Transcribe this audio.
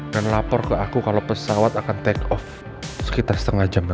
dan lapor ke aku kalau pesawat akan take off sekitar setengah jam kelar